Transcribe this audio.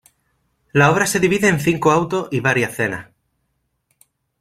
La obra se divide en cinco "autos" y varias "cenas".